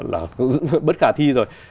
là bất khả thi rồi